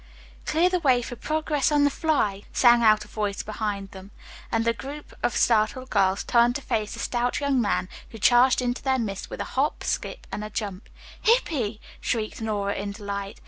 "'Clear the way for progress on the fly,'" sang out a voice behind them, and the group of startled girls turned to face a stout young man who charged into their midst with a hop, skip and a jump. "Hippy!" shrieked Nora in delight.